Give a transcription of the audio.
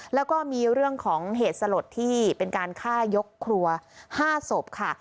แล้วก็มีเรื่องของเหตุสลดที่เป็นการฆ่ายกครัว๕ศพค่ะ